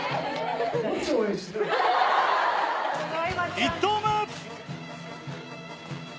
１投目。